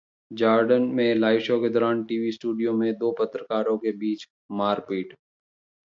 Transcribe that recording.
Jordan में live show के दौरान टीवी स्टूडियो में दो पत्रकारों के बीच मारपीट